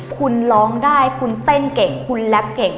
คุณร้องได้คุณเต้นเก่งคุณแรปเก่ง